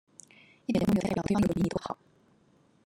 一點都沒有代表對方有比你多好